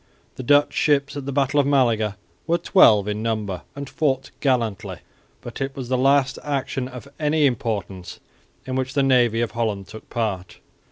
The Dutch ships at the battle of Malaga were twelve in number and fought gallantly, but it was the last action of any importance in which the navy of Holland took part.